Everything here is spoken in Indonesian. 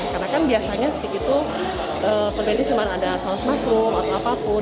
karena kan biasanya steak itu perbedaannya cuma ada saus masrum atau apapun